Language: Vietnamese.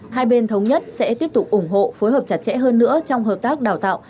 hai bên thống nhất sẽ tiếp tục ủng hộ phối hợp chặt chẽ hơn nữa trong hợp tác đào tạo